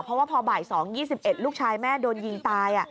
เพราะว่าพอบ่าย๒๒๑ลูกชายแม่โดนยิงตาย